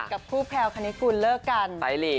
กับคู่แพลวคณิกุลเลิกกันไป